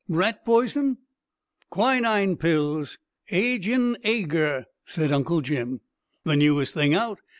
"Rat poison?" "Quinine pills agin ager," said Uncle Jim. "The newest thing out.